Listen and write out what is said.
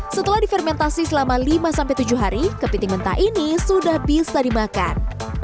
setelah difermentasi selama lima sampai tujuh hari kepiting mentah ini sudah bisa dimakan